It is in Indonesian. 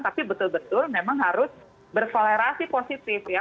tapi betul betul memang harus bersolerasi positif ya